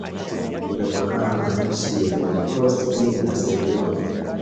Imepakana na nchi za Ivory Coast, Guinea, na Sierra Leone.